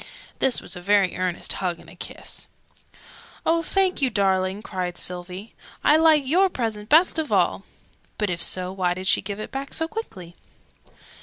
("This" was a very earnest hug and a kiss.) "Oh, thank you, darling!" cried Sylvie. "I like your present best of all!" (But if so, why did she give it back so quickly?)